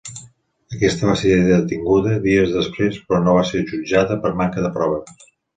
Aquesta va ser detinguda dies després, però no va ser jutjada per manca de proves.